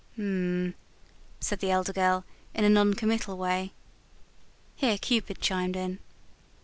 "Mm," said the elder girl, in a non committal way. Here Cupid chimed in.